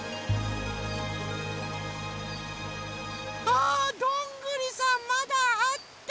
あどんぐりさんまだあった！